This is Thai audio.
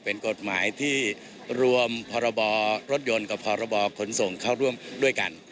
เป็นกฎหมายที่รวมพรบรถยนต์กับพรบขนส่งเข้าร่วมด้วยกัน